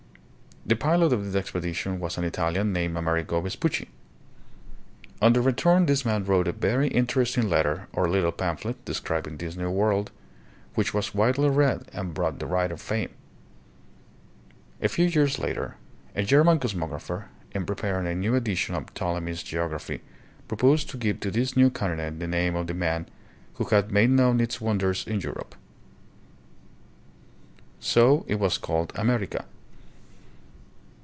The pilot of this expedition was an Italian, named Amerigo Vespucci. On the return this man wrote a very interesting letter or little pamphlet, describing this new world, which was widely read, and brought the writer fame. A few years later a German cosmographer, in pre paring a new edition of Ptolemy's geography, proposed to give to this new continent the name of the man who had made known its wonders in Europe. So it was called "America."